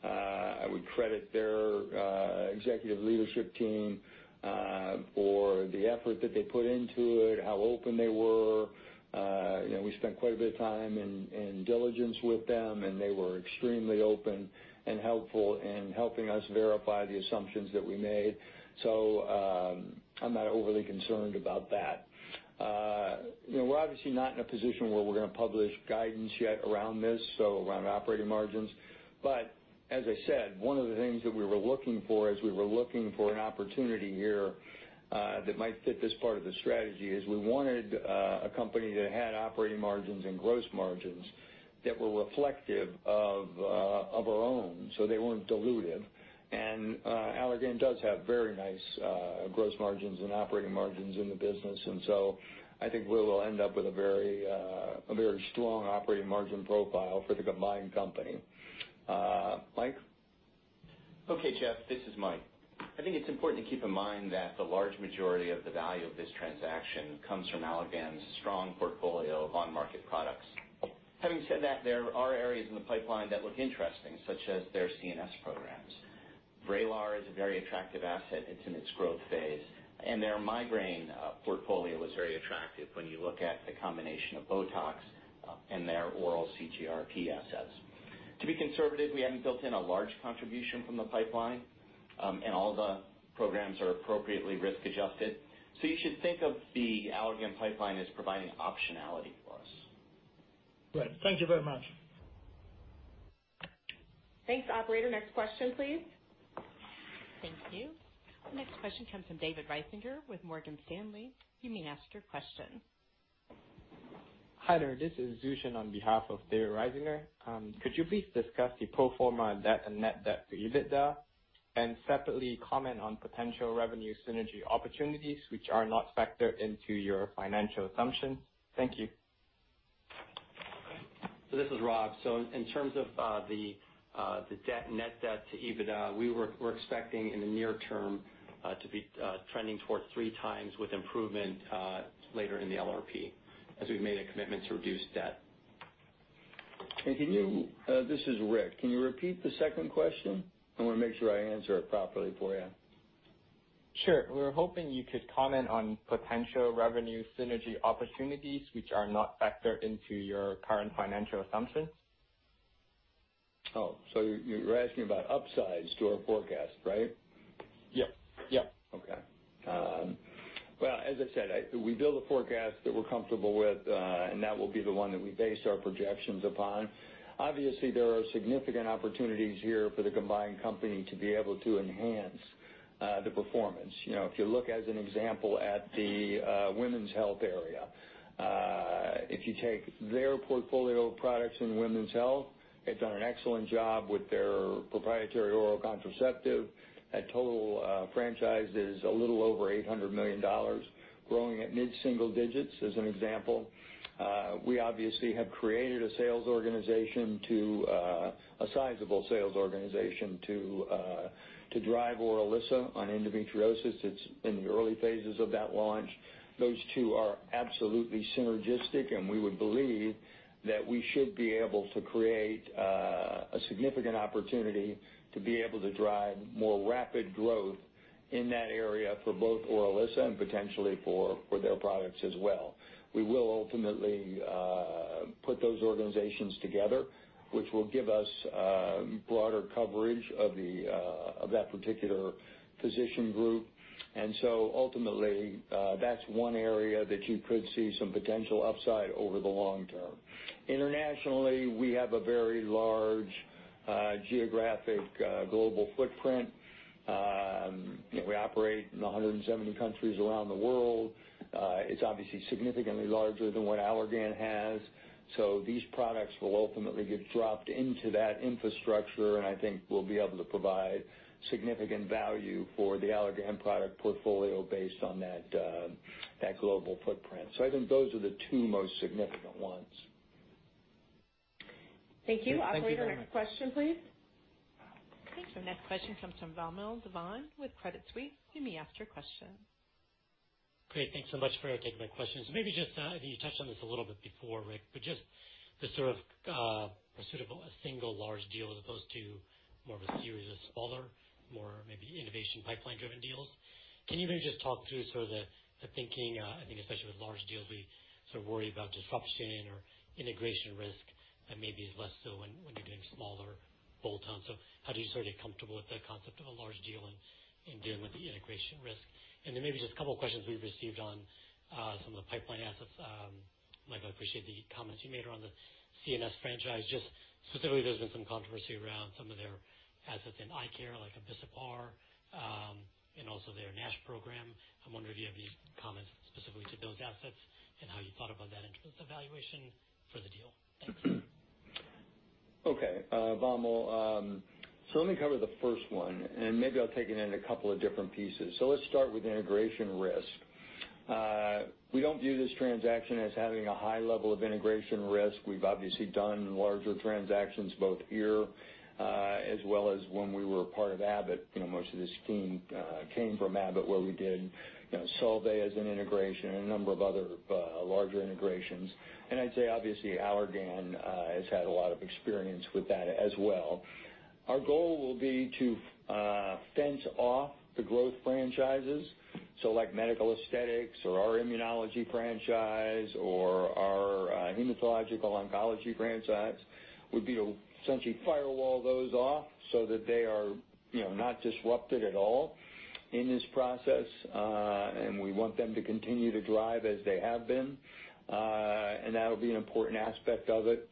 I would credit their executive leadership team for the effort that they put into it, how open they were. We spent quite a bit of time in diligence with them, and they were extremely open and helpful in helping us verify the assumptions that we made. I'm not overly concerned about that. We're obviously not in a position where we're going to publish guidance yet around this, around operating margins. As I said, one of the things that we were looking for as we were looking for an opportunity here that might fit this part of the strategy is we wanted a company that had operating margins and gross margins that were reflective of our own, so they weren't dilutive. Allergan does have very nice gross margins and operating margins in the business. I think we will end up with a very strong operating margin profile for the combined company. Mike? Jeff, this is Mike. I think it's important to keep in mind that the large majority of the value of this transaction comes from Allergan's strong portfolio of on-market products. Having said that, there are areas in the pipeline that look interesting, such as their CNS programs. VRAYLAR is a very attractive asset. It's in its growth phase, and their migraine portfolio is very attractive when you look at the combination of BOTOX and their oral CGRP assets. To be conservative, we haven't built in a large contribution from the pipeline, and all the programs are appropriately risk-adjusted. You should think of the Allergan pipeline as providing optionality for us. Great. Thank you very much. Thanks. Operator, next question, please. Thank you. The next question comes from David Risinger with Morgan Stanley. You may ask your question. Hi there. This is Zushin on behalf of David Risinger. Could you please discuss the pro forma debt and net debt to EBITDA, and separately comment on potential revenue synergy opportunities which are not factored into your financial assumptions? Thank you. This is Rob. In terms of the net debt to EBITDA, we're expecting in the near term to be trending towards three times with improvement later in the LRP, as we've made a commitment to reduce debt. This is Rick. Can you repeat the second question? I want to make sure I answer it properly for you. Sure. We were hoping you could comment on potential revenue synergy opportunities, which are not factored into your current financial assumptions. Oh, you're asking about upsides to our forecast, right? Yep. Okay. Well, as I said, we build a forecast that we're comfortable with, that will be the one that we base our projections upon. Obviously, there are significant opportunities here for the combined company to be able to enhance the performance. If you look as an example at the women's health area, if you take their portfolio of products in women's health, they've done an excellent job with their proprietary oral contraceptive. That total franchise is a little over $800 million, growing at mid-single digits as an example. We obviously have created a sizable sales organization to drive ORILISSA on endometriosis. It's in the early phases of that launch. Those two are absolutely synergistic, we would believe that we should be able to create a significant opportunity to be able to drive more rapid growth in that area for both ORILISSA and potentially for their products as well. We will ultimately put those organizations together, which will give us broader coverage of that particular physician group. Ultimately, that's one area that you could see some potential upside over the long term. Internationally, we have a very large geographic global footprint. We operate in 170 countries around the world. It's obviously significantly larger than what Allergan has. These products will ultimately get dropped into that infrastructure, and I think we'll be able to provide significant value for the Allergan product portfolio based on that global footprint. I think those are the two most significant ones. Thank you. Operator, next question please. Okay. Next question comes from Vamil Divan with Credit Suisse. You may ask your question. Great. Thanks so much for taking my questions. Maybe just, I think you touched on this a little bit before, Rick, but just the sort of pursuit of a single large deal as opposed to more of a series of smaller, more maybe innovation pipeline-driven deals. Can you maybe just talk through the thinking? I think especially with large deals, we sort of worry about disruption or integration risk, and maybe it's less so when you're doing smaller bolt-ons. How do you get comfortable with the concept of a large deal and dealing with the integration risk? And then maybe just a couple of questions we've received on some of the pipeline assets. Mike, I appreciate the comments you made around the CNS franchise, just specifically, there's been some controversy around some of their assets in eye care, like Abicipar, and also their NASH program. I'm wondering if you have any comments specifically to those assets and how you thought about that in terms of valuation for the deal. Thanks. Okay. Vamil, let me cover the first one, maybe I'll take it in a couple of different pieces. Let's start with integration risk. We don't view this transaction as having a high level of integration risk. We've obviously done larger transactions both here, as well as when we were a part of Abbott. Most of this team came from Abbott, where we did, Solvay as an integration and a number of other larger integrations. I'd say, obviously, Allergan has had a lot of experience with that as well. Our goal will be to fence off the growth franchises. Like medical aesthetics or our immunology franchise, or our hematological oncology franchise, would be to essentially firewall those off so that they are not disrupted at all in this process. We want them to continue to drive as they have been. That'll be an important aspect of it.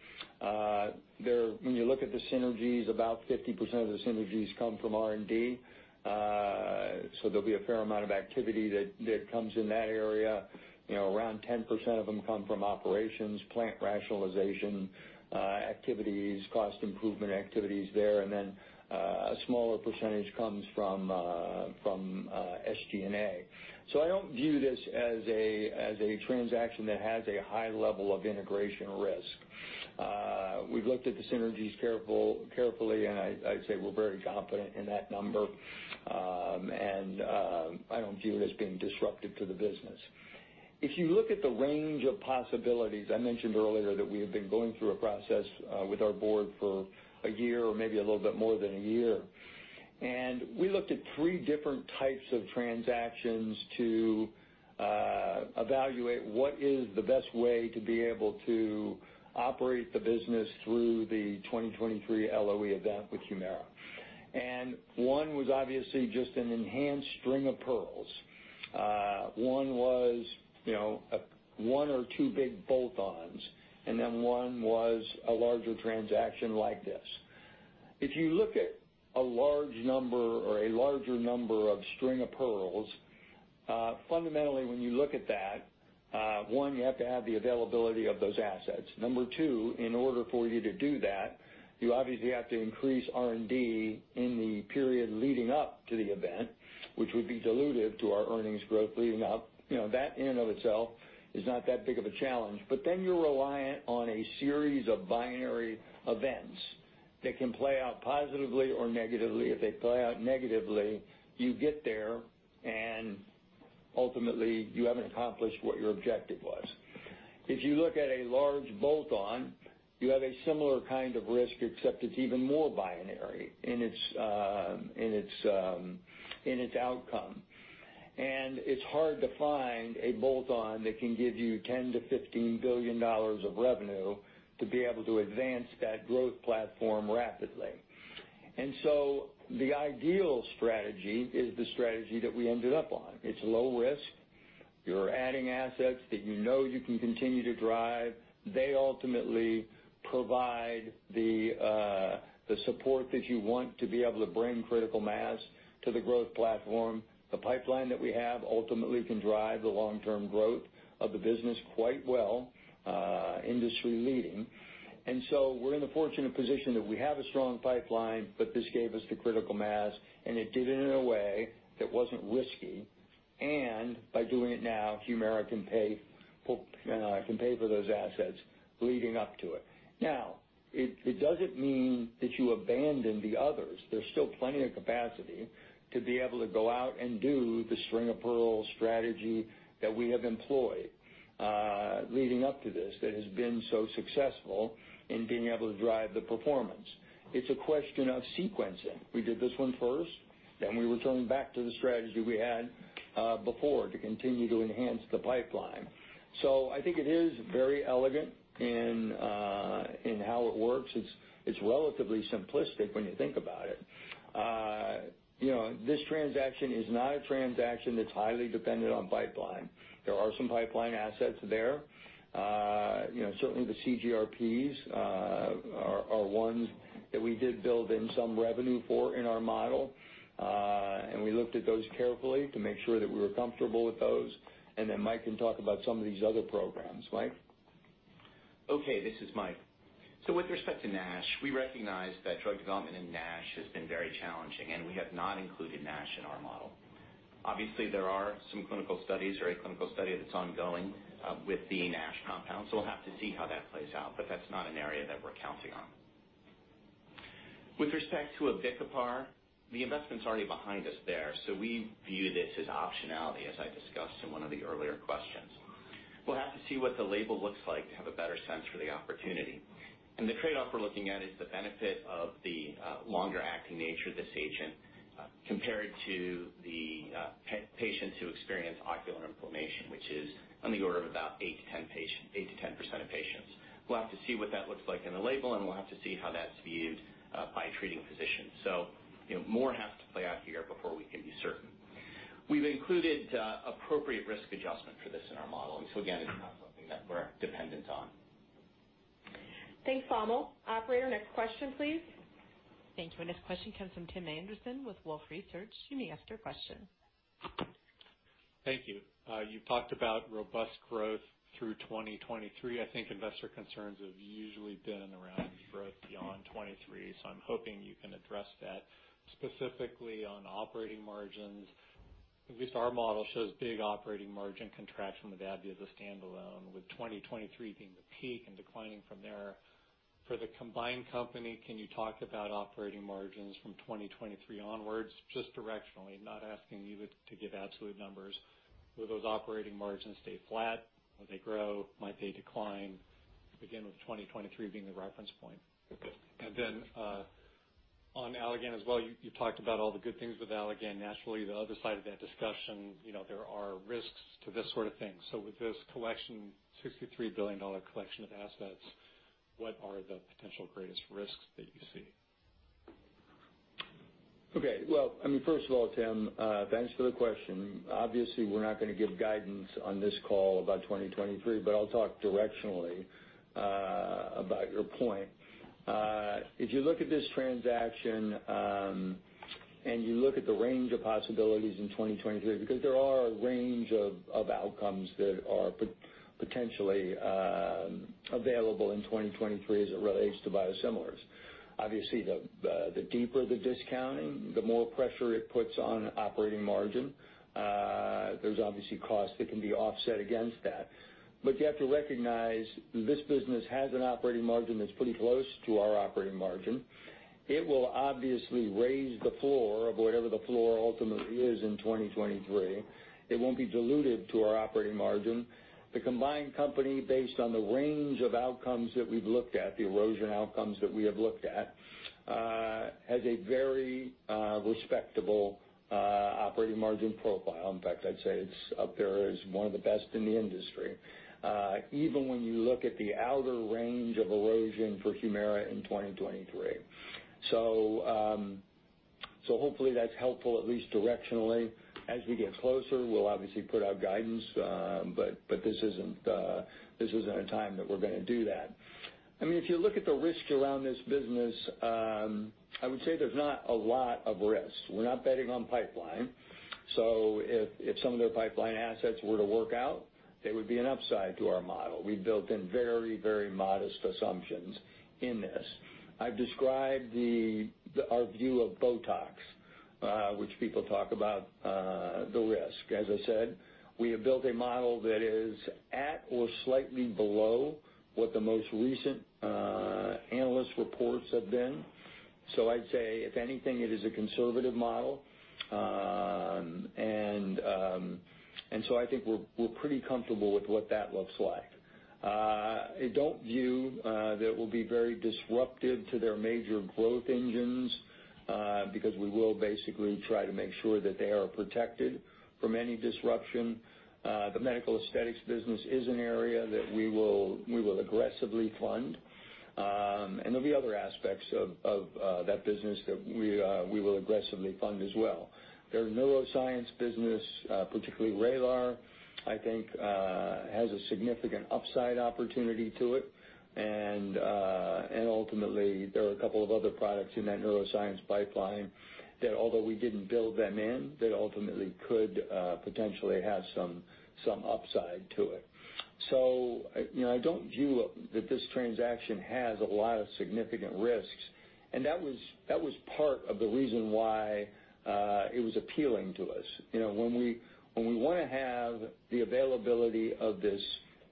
When you look at the synergies, about 50% of the synergies come from R&D. There'll be a fair amount of activity that comes in that area. Around 10% of them come from operations, plant rationalization activities, cost improvement activities there, then a smaller percentage comes from SG&A. I don't view this as a transaction that has a high level of integration risk. We've looked at the synergies carefully, I'd say we're very confident in that number. I don't view it as being disruptive to the business. If you look at the range of possibilities, I mentioned earlier that we have been going through a process with our board for one year or maybe a little bit more than one year. We looked at 3 different types of transactions to evaluate what is the best way to be able to operate the business through the 2023 LOE event with HUMIRA. One was obviously just an enhanced string of pearls. One was one or two big bolt-ons, then one was a larger transaction like this. If you look at a large number or a larger number of string-of-pearls, fundamentally when you look at that, one, you have to have the availability of those assets. Number two, in order for you to do that, you obviously have to increase R&D in the period leading up to the event, which would be dilutive to our earnings growth leading up. That in and of itself is not that big of a challenge. You're reliant on a series of binary events that can play out positively or negatively. If they play out negatively, you get there and ultimately you haven't accomplished what your objective was. If you look at a large bolt-on, you have a similar kind of risk, except it's even more binary in its outcome. It's hard to find a bolt-on that can give you $10 billion-$15 billion of revenue to be able to advance that growth platform rapidly. The ideal strategy is the strategy that we ended up on. It's low risk. You're adding assets that you know you can continue to drive. They ultimately provide the support that you want to be able to bring critical mass to the growth platform. The pipeline that we have ultimately can drive the long-term growth of the business quite well, industry-leading. We're in the fortunate position that we have a strong pipeline, but this gave us the critical mass, and it did it in a way that wasn't risky. By doing it now, HUMIRA can pay for those assets leading up to it. It doesn't mean that you abandon the others. There's still plenty of capacity to be able to go out and do the string-of-pearls strategy that we have employed leading up to this, that has been so successful in being able to drive the performance. It's a question of sequencing. We did this one first, then we return back to the strategy we had before to continue to enhance the pipeline. I think it is very elegant in how it works. It's relatively simplistic when you think about it. This transaction is not a transaction that's highly dependent on pipeline. There are some pipeline assets there. Certainly the CGRPs are ones that we did build in some revenue for in our model. We looked at those carefully to make sure that we were comfortable with those. Mike can talk about some of these other programs. Mike? Okay, this is Mike. With respect to NASH, we recognize that drug development in NASH has been very challenging, and we have not included NASH in our model. Obviously, there are some clinical studies or a clinical study that's ongoing with the NASH compound, so we'll have to see how that plays out, but that's not an area that we're counting on. With respect to Abicipar, the investment's already behind us there, so we view this as optionality, as I discussed in one of the earlier questions. We'll have to see what the label looks like to have a better sense for the opportunity. The trade-off we're looking at is the benefit of the longer-acting nature of this agent compared to the patients who experience ocular inflammation, which is on the order of about 8%-10% of patients. We'll have to see what that looks like in the label, and we'll have to see how that's viewed by a treating physician. More has to play out here before we can be certain. We've included appropriate risk adjustment for this in our model. Again, it's not something that we're dependent on. Thanks, Vamil. Operator, next question, please. Thank you. Our next question comes from Tim Anderson with Wolfe Research. You may ask your question. Thank you. You talked about robust growth through 2023. I think investor concerns have usually been around growth beyond 2023, I'm hoping you can address that. Specifically, on operating margins, at least our model shows big operating margin contraction with AbbVie as a standalone, with 2023 being the peak and declining from there. For the combined company, can you talk about operating margins from 2023 onwards, just directionally? Not asking you to give absolute numbers. Will those operating margins stay flat? Will they grow? Might they decline? Again, with 2023 being the reference point. Okay. On Allergan as well, you talked about all the good things with Allergan. Naturally, the other side of that discussion, there are risks to this sort of thing. With this $63 billion collection of assets, what are the potential greatest risks that you see? Okay. Well, first of all, Tim, thanks for the question. Obviously, we're not going to give guidance on this call about 2023, but I'll talk directionally about your point. If you look at this transaction, and you look at the range of possibilities in 2023, because there are a range of outcomes that are potentially available in 2023 as it relates to biosimilars. Obviously, the deeper the discounting, the more pressure it puts on operating margin. There's obviously costs that can be offset against that. You have to recognize, this business has an operating margin that's pretty close to our operating margin. It will obviously raise the floor of whatever the floor ultimately is in 2023. It won't be dilutive to our operating margin. The combined company, based on the range of outcomes that we've looked at, the erosion outcomes that we have looked at, has a very respectable operating margin profile. In fact, I'd say it's up there as one of the best in the industry, even when you look at the outer range of erosion for HUMIRA in 2023. Hopefully, that's helpful, at least directionally. As we get closer, we'll obviously put out guidance, but this isn't a time that we're going to do that. If you look at the risks around this business, I would say there's not a lot of risk. We're not betting on pipeline. If some of their pipeline assets were to work out, they would be an upside to our model. We built in very modest assumptions in this. I've described our view of BOTOX, which people talk about the risk. As I said, we have built a model that is at or slightly below what the most recent analyst reports have been. I'd say, if anything, it is a conservative model. I think we're pretty comfortable with what that looks like. I don't view that we'll be very disruptive to their major growth engines, because we will basically try to make sure that they are protected from any disruption. The medical aesthetics business is an area that we will aggressively fund. There'll be other aspects of that business that we will aggressively fund as well. Their neuroscience business, particularly VRAYLAR, I think has a significant upside opportunity to it, and ultimately, there are a couple of other products in that neuroscience pipeline that although we didn't build them in, they ultimately could potentially have some upside to it. I don't view that this transaction has a lot of significant risks, and that was part of the reason why it was appealing to us. When we want to have the availability of this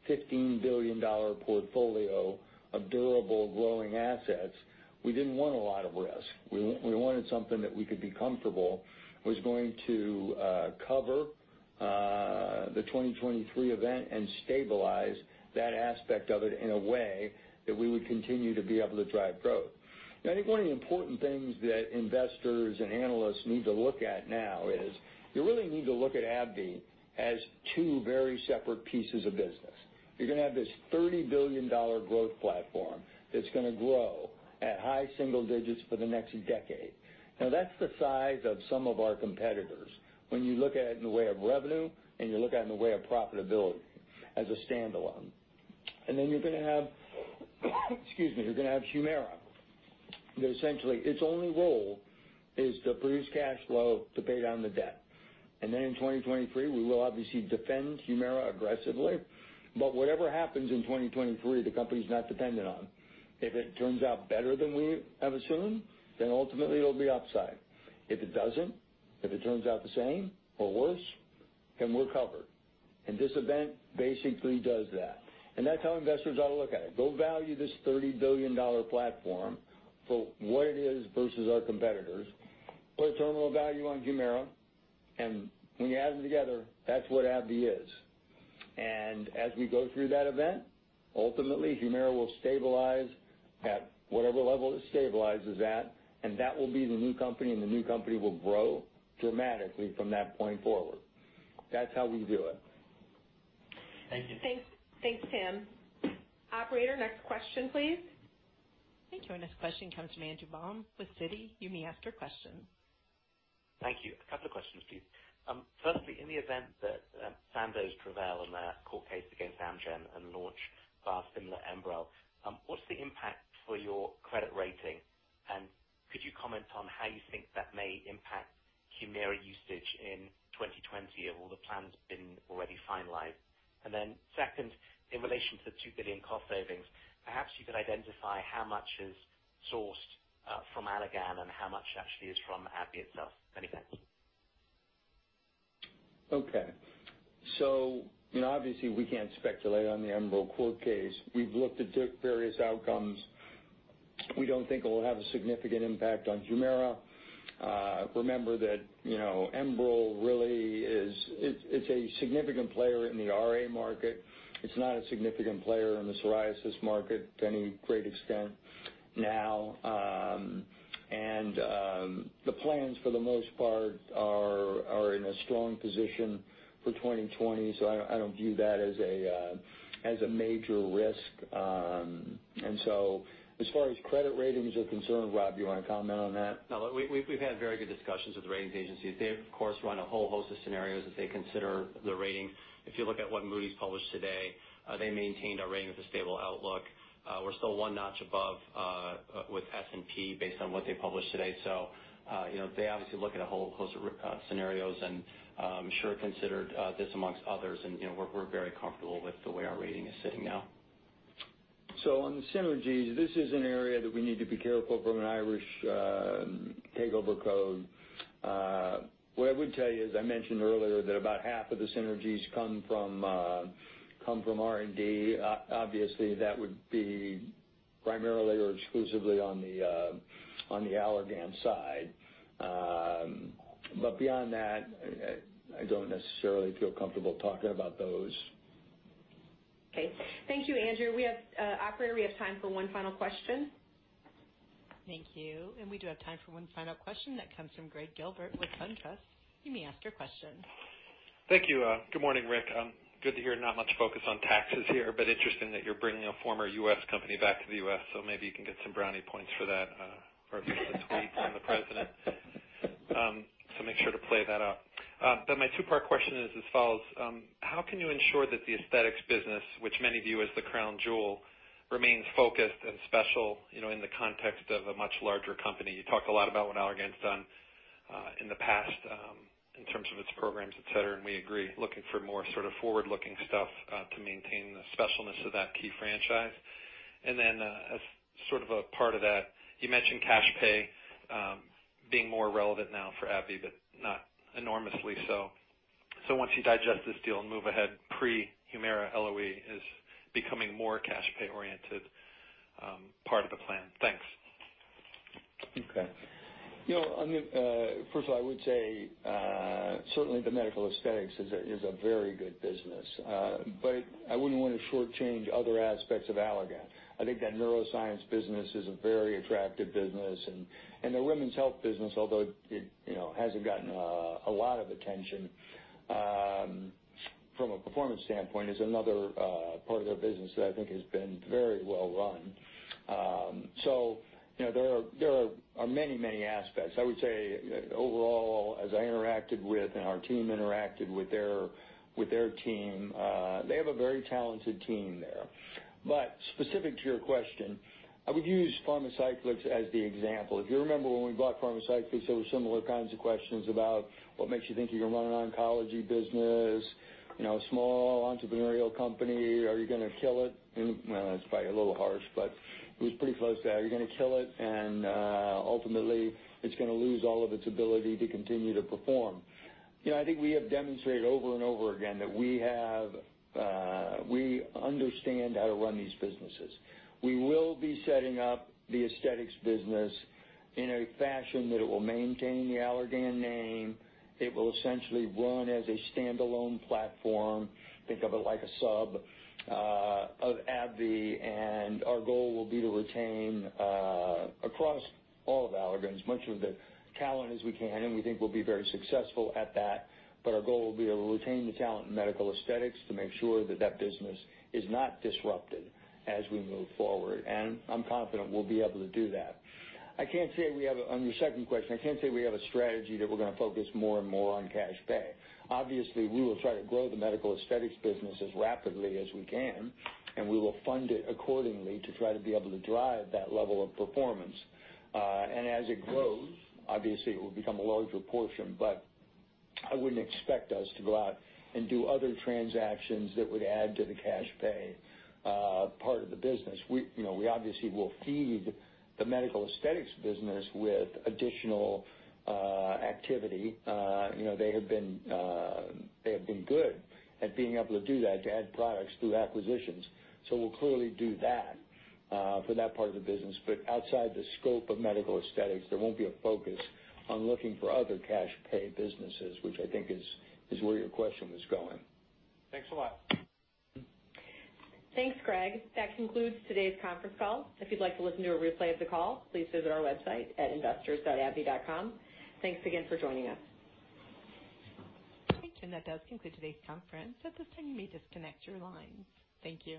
$15 billion portfolio of durable growing assets, we didn't want a lot of risk. We wanted something that we could be comfortable was going to cover the 2023 event and stabilize that aspect of it in a way that we would continue to be able to drive growth. I think one of the important things that investors and analysts need to look at now is you really need to look at AbbVie as two very separate pieces of business. You're going to have this $30 billion growth platform that's going to grow at high single digits for the next decade. That's the size of some of our competitors when you look at it in the way of revenue, and you look at it in the way of profitability as a standalone. You're going to have Humira, that essentially its only role is to produce cash flow to pay down the debt. In 2023, we will obviously defend Humira aggressively. Whatever happens in 2023, the company's not dependent on. If it turns out better than we have assumed, then ultimately it'll be upside. If it doesn't, if it turns out the same or worse. We're covered. This event basically does that, and that's how investors ought to look at it. Go value this $30 billion platform for what it is versus our competitors. Put a terminal value on Humira, and when you add them together, that's what AbbVie is. As we go through that event, ultimately Humira will stabilize at whatever level it stabilizes at, and that will be the new company, and the new company will grow dramatically from that point forward. That's how we do it. Thank you. Thanks, Tim. Operator, next question, please. Thank you. Our next question comes from Andrew Baum with Citigroup. You may ask your question. Thank you. A couple of questions, please. Firstly, in the event that Sandoz prevail in their court case against Amgen and launch biosimilar ENBREL, what's the impact for your credit rating? Could you comment on how you think that may impact HUMIRA usage in 2020? Have all the plans been already finalized? Second, in relation to the $2 billion cost savings, perhaps you could identify how much is sourced from Allergan and how much actually is from AbbVie itself. Many thanks. Okay. Obviously we can't speculate on the ENBREL court case. We've looked at various outcomes. We don't think it will have a significant impact on HUMIRA. Remember that ENBREL really is a significant player in the RA market. It's not a significant player in the psoriasis market to any great extent now. The plans, for the most part, are in a strong position for 2020, so I don't view that as a major risk. As far as credit ratings are concerned, Rob, do you want to comment on that? We've had very good discussions with the ratings agencies. They, of course, run a whole host of scenarios as they consider the rating. If you look at what Moody's published today, they maintained a rating with a stable outlook. We're still one notch above with S&P based on what they published today. They obviously look at a whole host of scenarios and I'm sure considered this amongst others, and we're very comfortable with the way our rating is sitting now. On the synergies, this is an area that we need to be careful from an Irish Takeover Code. What I would tell you, as I mentioned earlier, that about half of the synergies come from R&D. Obviously, that would be primarily or exclusively on the Allergan side. Beyond that, I don't necessarily feel comfortable talking about those. Thank you, Andrew. Operator, we have time for one final question. Thank you. We do have time for one final question that comes from Gregg Gilbert with SunTrust. You may ask your question. Thank you. Good morning, Rick. Good to hear not much focus on taxes here, but interesting that you're bringing a former U.S. company back to the U.S., so maybe you can get some brownie points for that or at least a tweet from the president. Make sure to play that up. My two-part question is as follows. How can you ensure that the aesthetics business, which many view as the crown jewel, remains focused and special in the context of a much larger company? You talked a lot about what Allergan's done in the past in terms of its programs, et cetera, and we agree, looking for more sort of forward-looking stuff to maintain the specialness of that key franchise. Then as sort of a part of that, you mentioned cash pay being more relevant now for AbbVie, but not enormously so. Once you digest this deal and move ahead, pre-HUMIRA LOE is becoming more cash pay oriented part of the plan. Thanks. Okay. First of all, I would say certainly the medical aesthetics is a very good business. I wouldn't want to shortchange other aspects of Allergan. I think that neuroscience business is a very attractive business, and the women's health business, although it hasn't gotten a lot of attention from a performance standpoint, is another part of their business that I think has been very well run. There are many, many aspects. I would say overall, as I interacted with and our team interacted with their team, they have a very talented team there. Specific to your question, I would use Pharmacyclics as the example. If you remember when we bought Pharmacyclics, there were similar kinds of questions about what makes you think you can run an oncology business, a small entrepreneurial company? Are you going to kill it? Well, that's probably a little harsh, but it was pretty close to that. Are you going to kill it? Ultimately it's going to lose all of its ability to continue to perform. I think we have demonstrated over and over again that we understand how to run these businesses. We will be setting up the aesthetics business in a fashion that it will maintain the Allergan name. It will essentially run as a standalone platform. Think of it like a sub of AbbVie, and our goal will be to retain, across all of Allergan, as much of the talent as we can, and we think we'll be very successful at that. Our goal will be able to retain the talent in medical aesthetics to make sure that that business is not disrupted as we move forward. I'm confident we'll be able to do that. On your second question, I can't say we have a strategy that we're going to focus more and more on cash pay. Obviously, we will try to grow the medical aesthetics business as rapidly as we can, and we will fund it accordingly to try to be able to drive that level of performance. As it grows, obviously, it will become a larger portion, but I wouldn't expect us to go out and do other transactions that would add to the cash pay part of the business. We obviously will feed the medical aesthetics business with additional activity. They have been good at being able to do that, to add products through acquisitions. We'll clearly do that for that part of the business. Outside the scope of medical aesthetics, there won't be a focus on looking for other cash pay businesses, which I think is where your question was going. Thanks a lot. Thanks, Gregg. That concludes today's conference call. If you'd like to listen to a replay of the call, please visit our website at investor.abbvie.com. Thanks again for joining us. Okay, Tim, that does conclude today's conference. At this time, you may disconnect your lines. Thank you.